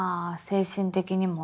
精神的にも？